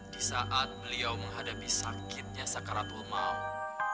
di saat beliau menghadapi sakitnya sakaratul maut